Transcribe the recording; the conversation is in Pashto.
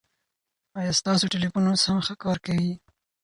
ایا ستاسو ټلېفون اوس هم ښه کار کوي؟